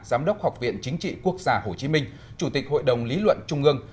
giám đốc học viện chính trị quốc gia hồ chí minh chủ tịch hội đồng lý luận trung ương